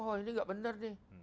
oh ini tidak benar